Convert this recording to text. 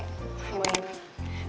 emang gitu dia